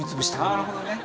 なるほどね。